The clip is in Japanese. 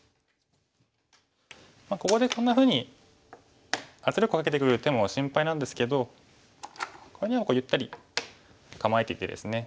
ここでこんなふうに圧力をかけてくる手も心配なんですけどこれにはゆったり構えていてですね。